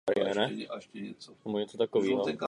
Uvádí se tehdy bytem v Prešově.